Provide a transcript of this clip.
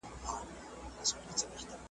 هى افسوس چي پر تا تېر سول زر كلونه .